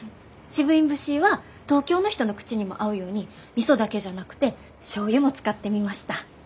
シブインブシーは東京の人の口にも合うようにみそだけじゃなくてしょうゆも使ってみました。